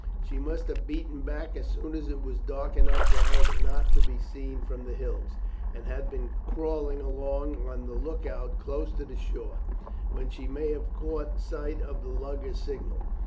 She must have beaten back as soon as it was dark enough for her not to be seen from the hills, and had been crawling along on the look out close to the shore, when she may have caught sight of the lugger's signal.